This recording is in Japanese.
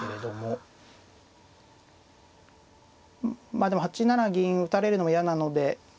まあでも８七銀打たれるのも嫌なので。